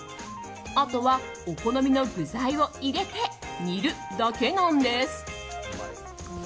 あとは、お好みの具材を入れて煮るだけなんです。